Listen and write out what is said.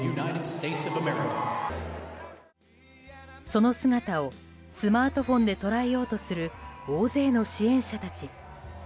その姿をスマートフォンで捉えようとする大勢の支援者たち。